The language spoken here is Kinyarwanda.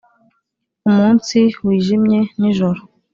umunsi wijimye nijoro